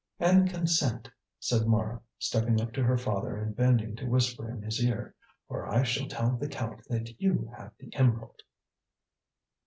"And consent," said Mara, stepping up to her father and bending to whisper in his ear, "or I shall tell the Count that you have the emerald."